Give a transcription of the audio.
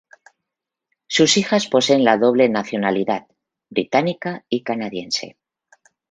Sus hijas poseen la doble nacionalidad, británica y canadiense.